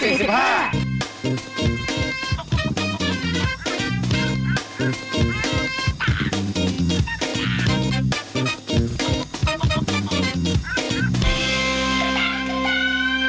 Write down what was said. โปรดติดตามตอนต่อไป